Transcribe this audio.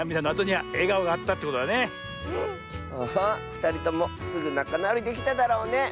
ふたりともすぐなかなおりできただろうね。